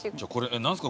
何ですか？